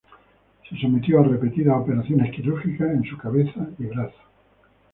Se sometió a repetidas operaciones quirúrgicas en su cabeza y brazo.